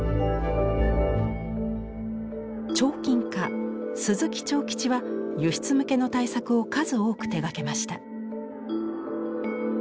彫金家鈴木長吉は輸出向けの大作を数多く手がけました。